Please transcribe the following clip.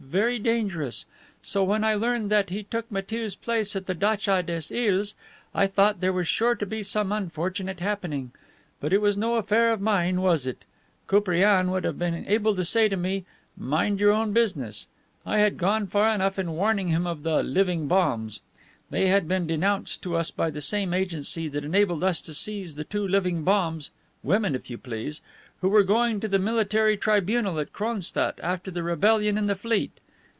Very dangerous. So when I learned that he took Matiew's place at the datcha des Iles, I thought there was sure to be some unfortunate happening. But it was no affair of mine, was it? Koupriane would have been able to say to me, 'Mind your own business.' I had gone far enough in warning him of the 'living bombs.' They had been denounced to us by the same agency that enabled us to seize the two living bombs (women, if you please!) who were going to the military tribunal at Cronstadt after the rebellion in the fleet.